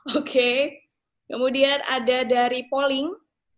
oke kemudian ada dari polling